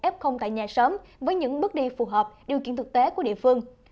f tại nhà sớm với những bước đi phù hợp điều kiện thực tế của địa phương